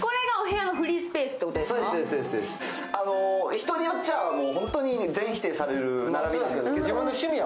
人によっちゃ、ホントに全否定される並びですが。